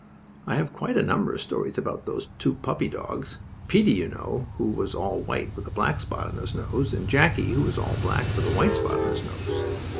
I have quite a number of stories about those two puppy dogs; Peetie, you know, who was all white with a black spot on his nose, and Jackie, who was all black with a white spot on his nose.